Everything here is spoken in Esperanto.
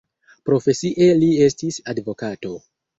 Profesie li estis advokato.